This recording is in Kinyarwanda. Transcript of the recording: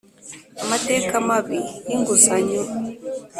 Amateka mabi y inguzanyo